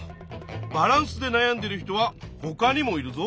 「バランス」でなやんでいる人はほかにもいるぞ。